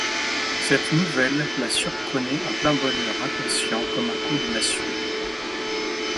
Cette nouvelle la surprenait en plein bonheur inconscient, comme un coup de massue.